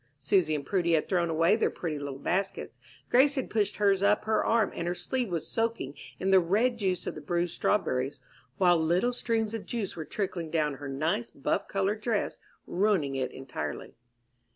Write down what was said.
Susy and Prudy had thrown away their pretty little baskets. Grace had pushed hers up her arm, and her sleeve was soaking in the red juice of the bruised strawberries, while little streams of juice were trickling down her nice, buff colored dress, ruining it entirely.